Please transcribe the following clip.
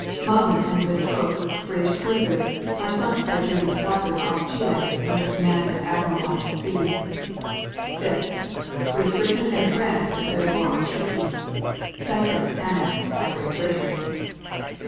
Monmouth and Good Hope, British cruisers, are sunk by German squadron off Chile under command of Admiral Von Spee. 5. Great Britain and France declare war on Turkey. 5. Cyprus annexed by Great Britain.